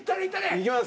いきます。